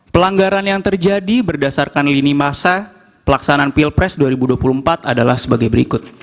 pelanggaran yang terjadi berdasarkan lini masa pelaksanaan pilpres dua ribu dua puluh empat adalah sebagai berikut